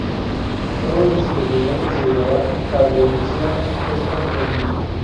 Nuevos descubrimientos ayudarán a dilucidar esta incógnita.